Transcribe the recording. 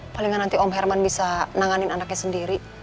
palingan nanti om herman bisa nanganin anaknya sendiri